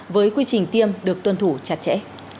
với quy trình tiêm được tuân thủ chặt chẽ